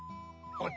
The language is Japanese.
あっ。